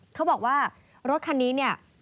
เขาบอกว่ารถคันนี้เนี่ย